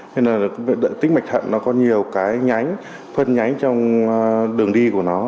nên là tích mạch thận nó có nhiều cái nhánh phân nhánh trong đường đi của nó